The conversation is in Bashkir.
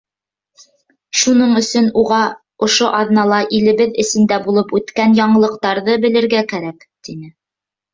Шуның өсөн уға ошо аҙнала илебеҙ эсендә булып үткән яңылыҡтарҙы белергә кәрәк, -тине.